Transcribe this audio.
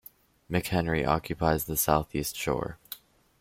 McHenry occupies the southeast shore.